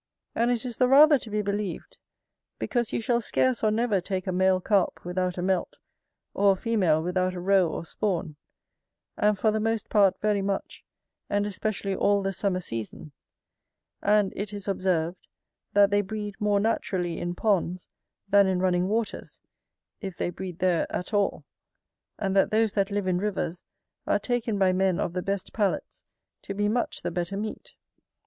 And it is the rather to be believed, because you shall scarce or never take a male Carp without a melt, or a female without a roe or spawn, and for the most part very much, and especially all the summer season; and it is observed, that they breed more naturally in ponds than in running waters, if they breed there at all; and that those that live in rivers are taken by men of the best palates to be much the better meat.